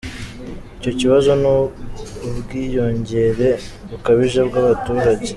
Icyo kibazo ni ubwiyongere bukabije bw’abaturage.